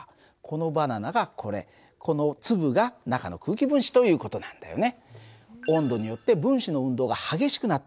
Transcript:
このバナナがこれこの粒が中の空気分子という事なんだよね。